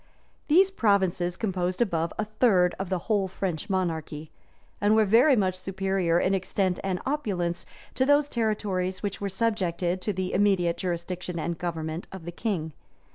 These provinces composed above a third of the whole French monarchy, and were much superior, in extent and opulence, to those territories which were subjected to the immediate jurisdiction and government of the king.